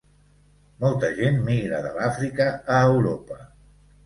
Molta gent migra de l'Àfrica a Europa.